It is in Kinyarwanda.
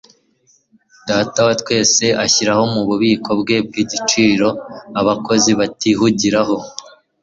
Data wa twese ashyira mu bubiko bwe bw'igiciro abakozi batihugiraho.